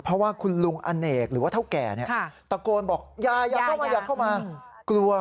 เพราะว่าคุณลุงอเนกหรือว่าเท่าแก่ตะโกนบอกอย่าเข้ามาอย่าเข้ามากลัว